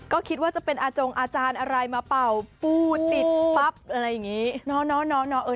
ก็คิดว่าจะเป็นอาจงอาจารย์อะไรมาเป่าปูติดปั๊บอะไรอย่างนี้